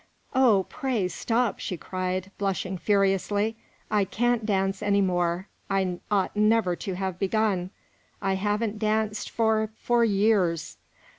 "Oh, pray, stop!" she cried, blushing furiously. "I can't dance any more; I ought never to have begun. I haven't danced for for years."